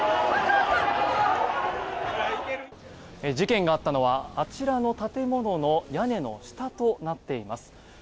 事件があったのはあちらの建物の屋根の下となっています。